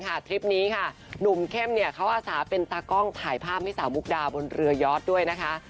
คลิปนี้ค่ะหนุ่มเข้มเนี่ยเขาอาสาเป็นตากล้องถ่ายภาพให้สาวมุกดาบนเรือยอดด้วยนะคะ